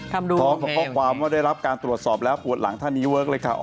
ประคับว่าได้รับการตรวจสอบแล้วหัวหลังท่านนี้เวิร์คเลยค่ะ